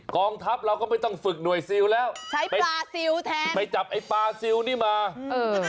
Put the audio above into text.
กองทัพเราก็ไม่ต้องฝึกหน่วยซิลแล้วใช้ปลาซิลแทนไปจับไอ้ปลาซิลนี่มาเออ